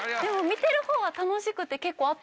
でも見てるほうは楽しくて結構。